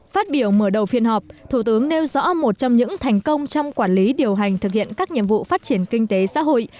phát biểu mở đầu phiên họp thủ tướng nêu rõ một trong những thành công trong quản lý điều hành thực hiện các nhiệm vụ phát triển kinh tế xã hội